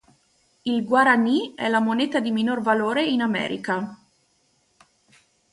Il guaraní è la moneta di minor valore in America.